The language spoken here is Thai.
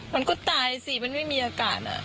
มันก็ตายสิมันไม่มีอากาศ